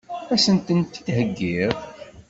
Ad sent-tent-id-heggiɣ?